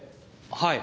はい。